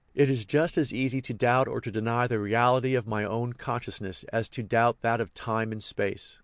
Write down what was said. It is just as easy to doubt or to deny the reality of my own con sciousness as to doubt that of time and space.